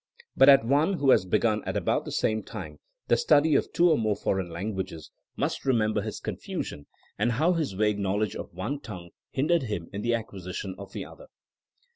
But any one who has begun at about the same time the study of two or more foreign languages must remember his confusion, and how his vague 154 THINEINO AS A SCIENCE knowledge of one tongue hindered him in the acquisition of the other.